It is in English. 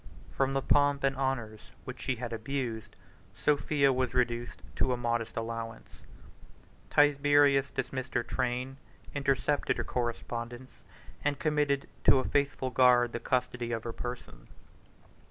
From the pomp and honors which she had abused, Sophia was reduced to a modest allowance: Tiberius dismissed her train, intercepted her correspondence, and committed to a faithful guard the custody of her person.